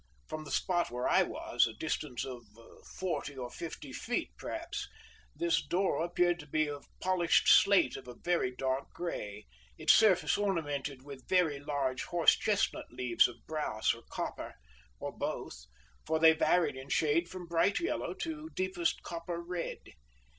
From the spot where I was a distance of forty or fifty feet, perhaps this door appeared to be of polished slate of a very dark gray, its surface ornamented with very large horse chestnut leaves of brass or copper, or both, for they varied in shade from bright yellow to deepest copper red.